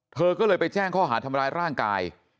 เธอก็เลยไปแจ้งข้อหาทำร้ายร่างกาย